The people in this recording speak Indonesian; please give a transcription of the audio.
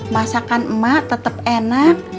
masakan emak tetap enak